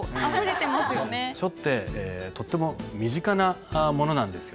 書ってとっても身近なものなんですよ。